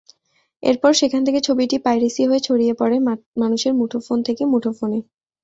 এরপর সেখান থেকে ছবিটি পাইরেসি হয়ে ছড়িয়ে পড়ে মানুষের মুঠোফোন থেকে মুঠোফোনে।